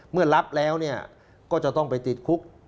เมื่อรับแล้วก็จะต้องไปติดคุก